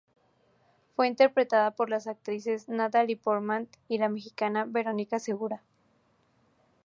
Fue interpretada por las actrices Natalie Portman y la mexicana Verónica Segura.